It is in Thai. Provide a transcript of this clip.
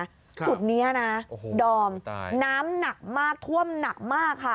ครับค่ะสุดนี้นะดอมน้ำหนักมากท่วมหนักมากค่ะ